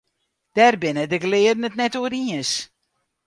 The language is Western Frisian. Dêr binne de gelearden it net oer iens.